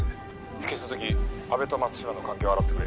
「引き続き阿部と松島の関係を洗ってくれ」